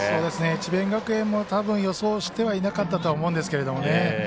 智弁学園もたぶん予想してはいなかったと思うんですけどね。